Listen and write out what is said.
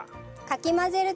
かき混ぜる？